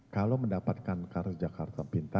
kalau mendapatkan kartu jakarta pintar